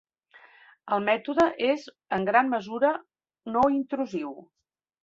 El mètode és, en gran mesura, no intrusiu.